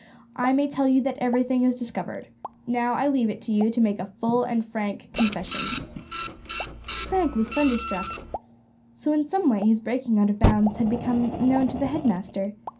I may tell you that everything is discovered. Now I leave it to you to make a full and frank confession." Frank was thunderstruck. So in some way his breaking out of bounds had become known to the headmaster.